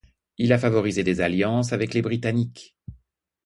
Il a favorisé des alliances avec les Britanniques.